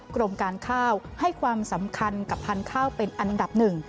กรมการข้าวให้ความสำคัญกับพันธุ์ข้าวเป็นอันดับหนึ่ง